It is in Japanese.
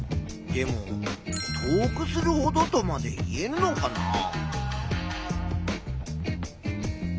でも「遠くするほど」とまで言えるのかな？